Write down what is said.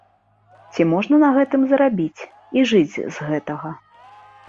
Ці можна на гэтым зарабіць і жыць з гэтага?